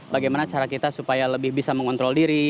bagaimana cara kita supaya lebih bisa mengontrol diri